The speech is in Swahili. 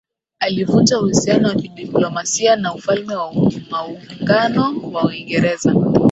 alivunja uhusiano wa kidiplomasia na Ufalme wa Maungano wa Uingereza